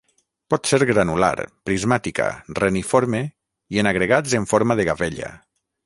Pot ser granular, prismàtica, reniforme, i en agregats en forma de gavella.